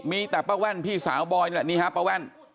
มีแต่ป้าแว่นพี่สาวบอยนี่แหละนี่ฮะป้าแว่น